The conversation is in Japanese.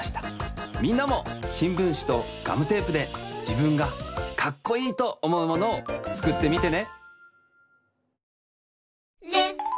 みんなもしんぶんしとガムテープでじぶんがかっこいいとおもうものをつくってみてね。